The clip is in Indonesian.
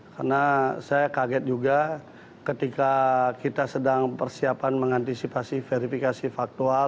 karena saya kaget juga ketika kita sedang persiapan mengantisipasi verifikasi faktual